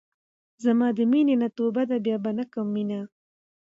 زما د مينې نه توبه ده بيا به نۀ کوم مينه